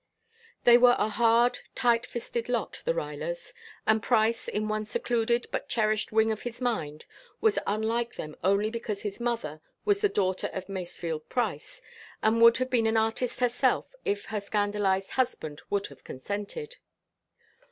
They were a hard, tight fisted lot, the Ruylers, and Price in one secluded but cherished wing of his mind was unlike them only because his mother was the daughter of Masefield Price and would have been an artist herself if her scandalized husband would have consented.